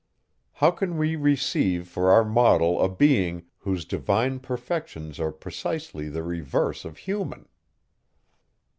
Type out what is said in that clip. How can we receive for our model a being, whose divine perfections are precisely the reverse of human?